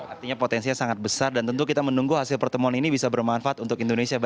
artinya potensinya sangat besar dan tentu kita menunggu hasil pertemuan ini bisa bermanfaat untuk indonesia